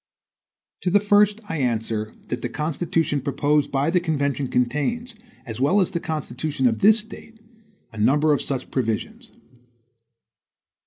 To the first I answer, that the Constitution proposed by the convention contains, as well as the constitution of this State, a number of such provisions.